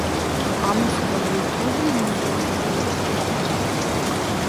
Аннушка ли подле нее или чужая?